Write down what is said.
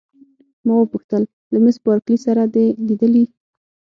ما وپوښتل: له مس بارکلي سره دي لیدلي؟